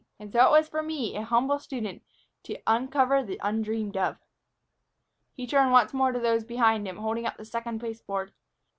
And so it was for me, an humble student, to uncover the undreamed of." He turned once more to those behind him, holding up the second pasteboard.